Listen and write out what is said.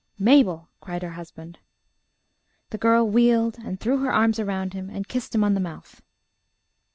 "Mabel!" cried her husband. The girl wheeled, and threw her arms round him, and kissed him on the mouth.